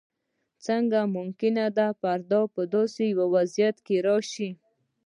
ځکه ممکنه ده فرد په داسې وضعیت کې راشي.